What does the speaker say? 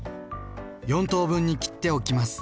４等分に切っておきます。